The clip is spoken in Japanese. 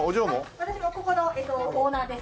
私もここのオーナーです。